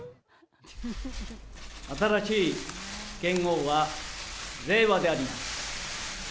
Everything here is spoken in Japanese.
新しい元号は令和であります。